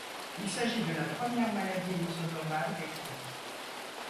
Il s'agit de la première maladie lysosomale décrite.